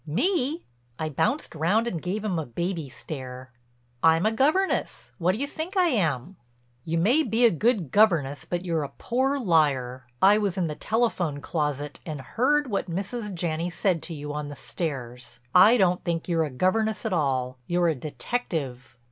"Me?" I bounced round and gave him a baby stare. "I'm a governess. What do you think I am?" "You may be a good governess but you're a poor liar. I was in the telephone closet and heard what Mrs. Janney said to you on the stairs. And I don't think you're a governess at all—you're a detective."